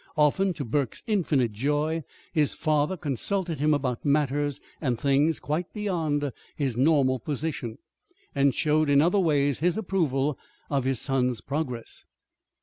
Often, to Burke's infinite joy, his father consulted him about matters and things quite beyond his normal position, and showed in other ways his approval of his son's progress.